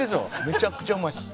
めちゃくちゃうまいです。